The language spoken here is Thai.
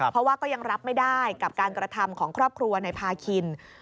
เพราะว่าก็ยังรับไม่ได้กับการกระทำของครอบครัวในพาคิน